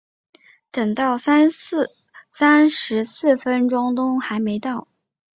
等到三十四分都还没到